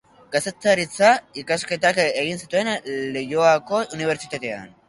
Kazetaritza ikasketak egin zituen Leioako Unibertsitatean.